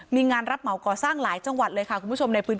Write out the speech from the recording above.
มีงานรับเหมาก่อสร้างหลายจังหวัดเลยค่ะคุณผู้ชมในพื้นที่